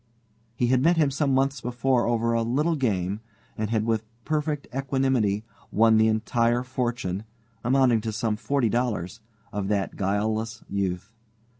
He had met him some months before over a "little game," and had, with perfect equanimity, won the entire fortune amounting to some forty dollars of that guileless youth.